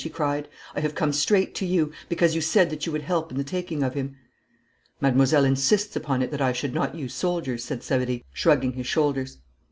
she cried; 'I have come straight to you, because you said that you would help in the taking of him.' 'Mademoiselle insists upon it that I should not use soldiers,' said Savary, shrugging his shoulders.